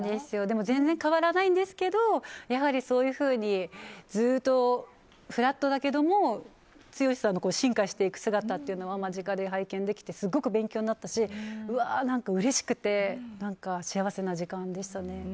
全然変わらないんですけどそういうふうにフラットだけど剛さんの進化していく姿を間近で拝見できてすごく勉強になったしうれしくて幸せな時間でしたね。